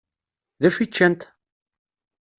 Dacu i ččant?